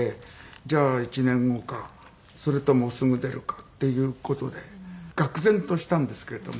じゃあ１年後かそれともすぐ出るかっていう事でがく然としたんですけれども。